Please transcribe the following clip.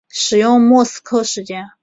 使用莫斯科时间。